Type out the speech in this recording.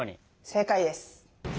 正解です。